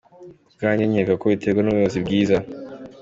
Ku bwanjye nkeka ko biterwa n’ubuyobozi bwiza.